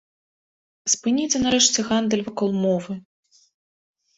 Спыніце нарэшце гандаль вакол мовы.